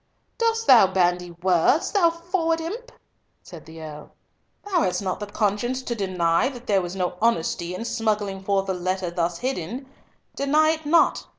"Dost thou bandy words, thou froward imp?" said the Earl. "Thou hast not the conscience to deny that there was no honesty in smuggling forth a letter thus hidden. Deny it not.